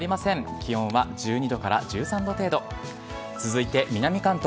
気温は１２度から１３度程度続いて南関東。